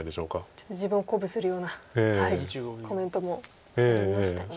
ちょっと自分を鼓舞するようなコメントもありましたよね。